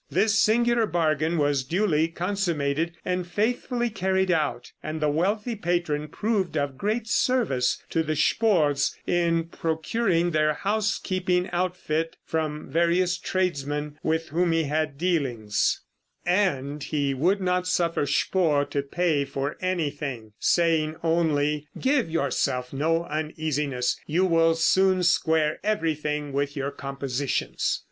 This singular bargain was duly consummated and faithfully carried out, and the wealthy patron proved of great service to the Spohrs in procuring their housekeeping outfit from various tradesmen with whom he had dealings, and he would not suffer Spohr to pay for anything, saying only, "Give yourself no uneasiness; you will soon square everything with your compositions."